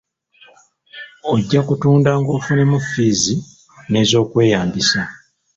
Ojja kutundanga ofunemu ffiizi n'ez'okweyambisa.